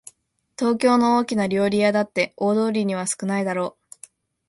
東京の大きな料理屋だって大通りには少ないだろう